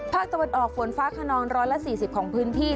ภาคตะวันออกฝนฟ้าขนอง๑๔๐ของพื้นที่